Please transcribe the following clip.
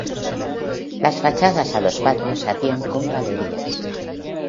Las fachadas a los patios se hacían con galerías.